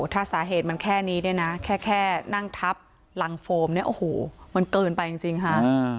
ท่าสาเหตุมันแค่นี้ได้นะแค่นั่งทับลางโฟมเนี่ยมันเกินไปจริงค่ะ